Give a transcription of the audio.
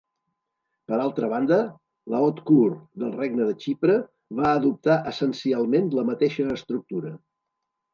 Per altra banda, la "Haute Cour" del Regne de Xipre va adoptar essencialment la mateixa estructura.